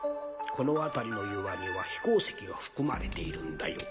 この辺りの岩には飛行石が含まれているんだよ。